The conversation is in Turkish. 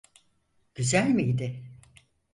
Güzel miydi?